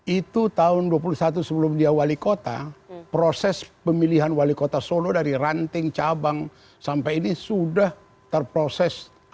itu tahun dua puluh satu sebelum dia wali kota proses pemilihan wali kota solo dari ranting cabang sampai ini sudah terproses